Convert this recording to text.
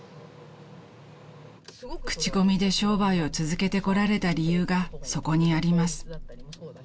［口コミで商売を続けてこられた理由がそこにあります］